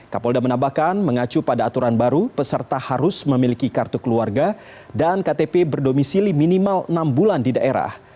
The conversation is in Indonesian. kapolda menambahkan mengacu pada aturan baru peserta harus memiliki kartu keluarga dan ktp berdomisili minimal enam bulan di daerah